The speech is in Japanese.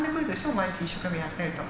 毎日一生懸命やってると。